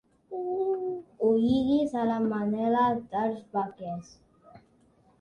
Ho lliguis a la manera dels vaquers.